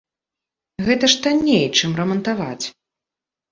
Гэта ж танней, чым рамантаваць.